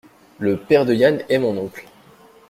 Le père de Yann est mon oncle.